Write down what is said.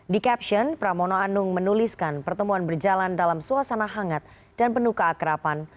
di caption pramono anung menuliskan pertemuan berjalan dalam suasana hangat dan penuh keakrapan